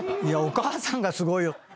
いやお母さんがすごいよ。